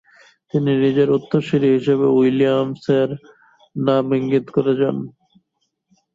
তিনি নিজের উত্তরসূরি হিসেবে উইলিয়ামসের নাম ইঙ্গিত করে যান।